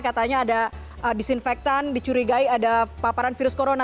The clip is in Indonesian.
katanya ada disinfektan dicurigai ada paparan virus corona